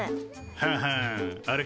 ははんあれか。